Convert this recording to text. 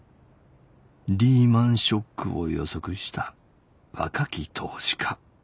リーマンショックを予測した若き投資家。